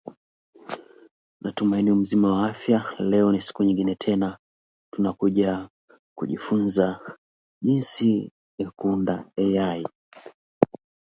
The city of Kannapolis is considering a replacement facility.